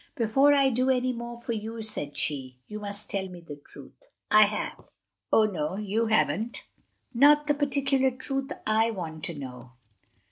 "Before I do any more for you," said she, "you must tell me the truth." "I have!" "Oh, no, you haven't: not the particular truth I want to know.